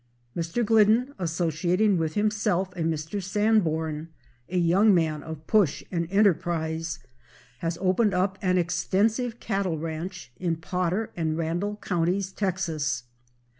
Mr. Glidden, associating with himself a Mr. Sanborn, a young man of push and enterprise, has opened up an extensive cattle ranch in Potter and Randall counties, Texas.